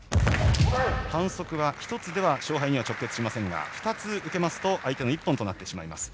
反則は１つでは勝敗には直結しませんが２つ受けますと相手の１本となってしまいます。